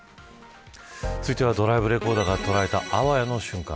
続いてはドライブレコーダーが捉えたあわやの瞬間。